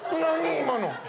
今の。